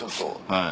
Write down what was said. はい。